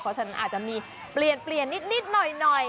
เพราะฉะนั้นอาจจะมีเปลี่ยนนิดหน่อย